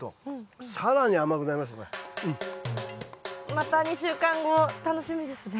また２週間後楽しみですね。